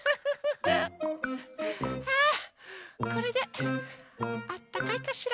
あこれであったかいかしら？